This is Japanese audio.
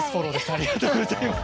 ありがとうございます。